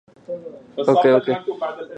لم يكن لديك أب قطّ.